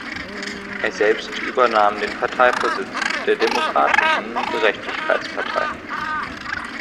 Er selbst übernahm den Parteivorsitz der Demokratischen Gerechtigkeitspartei.